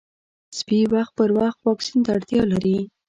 سپي وخت پر وخت واکسین ته اړتیا لري.